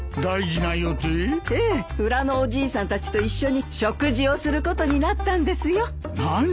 ええ裏のおじいさんたちと一緒に食事をすることになったんですよ。何？